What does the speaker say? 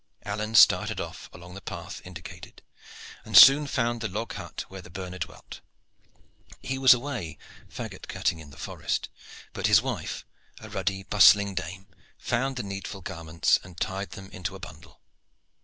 Alleyne started off along the path indicated, and soon found the log hut where the burner dwelt. He was away faggot cutting in the forest, but his wife, a ruddy bustling dame, found the needful garments and tied them into a bundle.